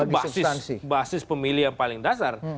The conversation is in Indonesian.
itu basis pemilih yang paling dasar